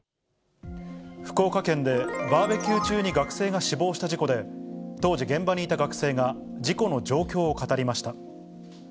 福岡県でバーベキュー中に学生が死亡した事故で、当時現場にいた学生が事故の状況を語りました。